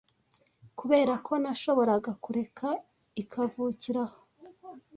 kuberako nashoboraga kureka ikavukira aho